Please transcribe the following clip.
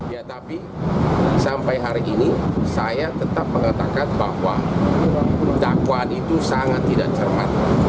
ya tapi sampai hari ini saya tetap mengatakan bahwa dakwaan itu sangat tidak cermat